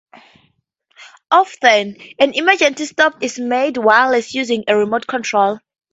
Often, an emergency stop is made wireless using a remote control.